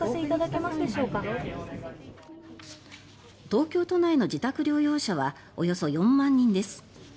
東京都内の自宅療養者はおよそ４万人です。